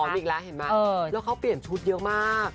อีกแล้วเห็นไหมแล้วเขาเปลี่ยนชุดเยอะมาก